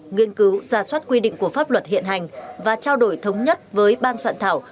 nghiên cứu ra soát quy định của pháp luật hiện hành và trao đổi thống nhất với ban soạn thảo